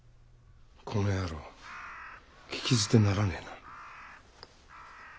この野郎聞き捨てならねえな。